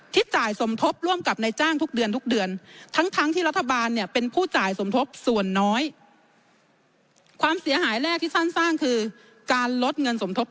ที่จ่ายสมทบร่วมกับนายจ้างทุกเดือนทุกเดือน